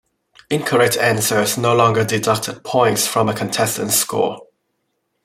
Incorrect answers no longer deducted points from a contestant's score.